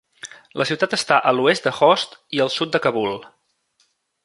La ciutat està a l'oest de Khost i al sud de Kabul.